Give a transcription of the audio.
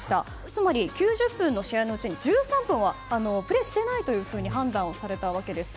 つまり９０分の試合のうちに１３分はプレーしてないと判断されたわけです。